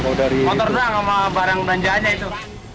motor doang sama barang belanja aja itu